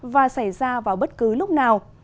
và xảy ra vào bất cứ lúc nào